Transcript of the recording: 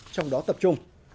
trong đó tập trung